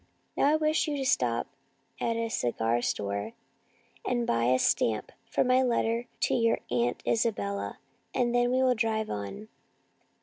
" Now I wish you to stop at a cigar store, and buy a stamp x for my letter to your Aunt Isabella, and then we will drive on."